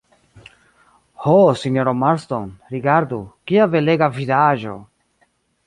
Ho, sinjoro Marston, rigardu, kia belega vidaĵo!